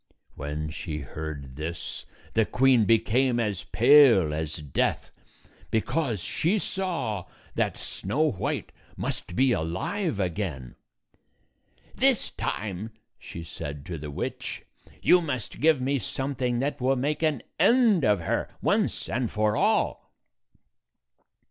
When she heard this, the queen became as pale as death, because she saw that Snow White must be alive again. " This time," she said to the witch, "you must give me something that will make an end of her, once and for all."